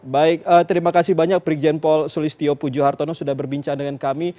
baik terima kasih banyak brigjen paul solistio pujuhartono sudah berbincang dengan kami